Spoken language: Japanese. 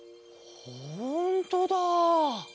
ほんとだ。